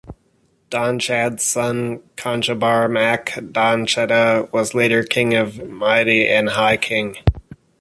Donnchad's son Conchobar mac Donnchada was later king of Mide and High King.